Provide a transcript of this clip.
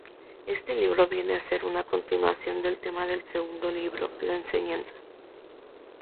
Este libro viene a ser una continuación del tema del segundo libro: La enseñanza.